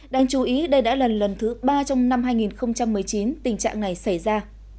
đáng chú ý đây đã là lần thứ ba trong năm hai nghìn một mươi chín tình trạng này xảy ra